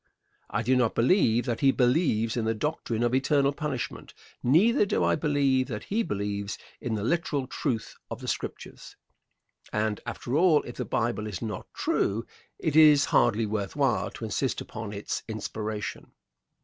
I do not believe that he believes in the doctrine of eternal punishment. Neither do I believe that he believes in the literal truth of the Scriptures. And, after all, if the Bible is not true, it is hardly worth while to insist upon its inspiration.